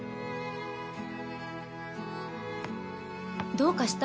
どうかした？